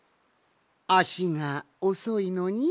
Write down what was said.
あしがおそいのに？